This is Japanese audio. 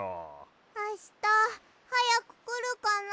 あしたはやくくるかな？